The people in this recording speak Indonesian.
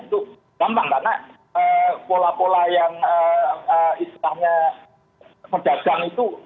itu gampang karena pola pola yang istilahnya pedagang itu